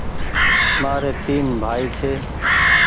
ماريٚ تين بهائي ڇي